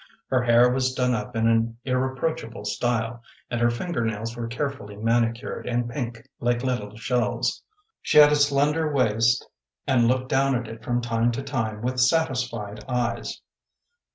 Her hair was done up in an irreproachable style, and her finger nails were carefully manicured and pink like little shells. She had a slender waist, and looked down at it from time to time with satisfied eyes.